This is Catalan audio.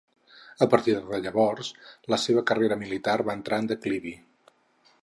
A partir de llavors, la seva carrera militar va entrar en declivi.